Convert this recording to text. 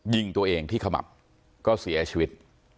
ยิงตัวเองที่ขมับก็เสียชีวิต